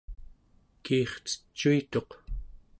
kiircecuituq